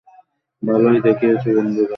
ভালোই দেখিয়েছ, বন্ধুরা।